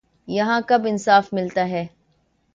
یہاں کب انصاف ملتا ہے